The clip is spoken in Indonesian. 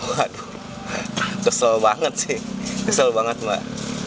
waduh kesel banget sih kesel banget mbak